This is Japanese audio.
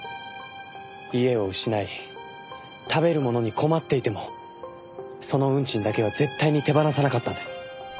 家を失い食べるものに困っていてもその運賃だけは絶対に手放さなかったんです。